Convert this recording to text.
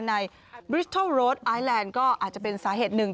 ในบริสทัลโรดไอแลนด์ก็อาจจะเป็นสาเหตุหนึ่ง